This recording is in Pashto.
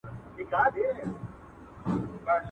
چي خوارانو روژې و نيولې، ورځي هم اوږدې سوې.